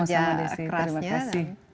kerasnya sama sama desi terima kasih